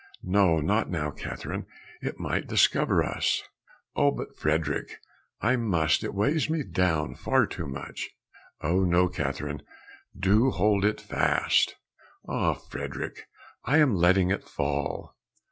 "No, not now, Catherine, it might discover us." "Oh, but, Frederick, I must. It weighs me down far too much." "Oh, no, Catherine, do hold it fast." "Ah, Frederick, I am letting it fall!"